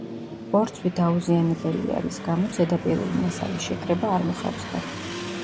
ბორცვი დაუზიანებელია, რის გამოც ზედაპირული მასალის შეკრება არ მოხერხდა.